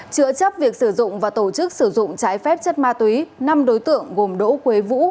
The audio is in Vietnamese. chữa chấp việc sử dụng và tổ chức sử dụng trái phép chất ma túy năm đối tượng gồm đỗ quế vũ